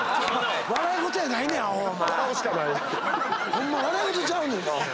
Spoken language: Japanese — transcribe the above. ホンマ笑い事ちゃうねんな。